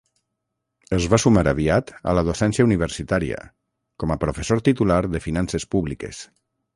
Es va sumar aviat a la docència universitària, com a professor titular de Finances Públiques.